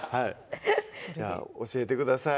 じゃあ教えてください